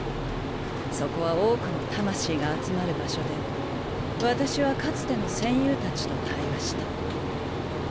そこは多くの魂が集まる場所で私はかつての戦友たちと対話した。